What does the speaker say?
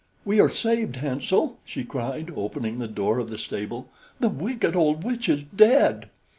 "We are saved, Hansel," she cried, opening the door of the stable, "the wicked old witch is dead."